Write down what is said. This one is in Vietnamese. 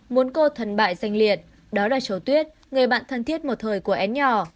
muốn cô thân bại danh liệt đó là châu tuyết người bạn thân thiết một thời của én nhỏ